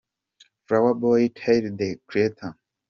"Flower Boy "- Tyler, The Creator.